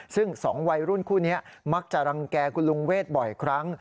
ซึ่ง๒วัยรุ่นคู่นี้มักจะรังแก่คุณลุงเวทบ่อยครั้ง